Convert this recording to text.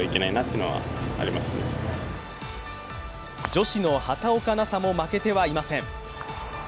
女子の畑岡奈紗も負けてはいません。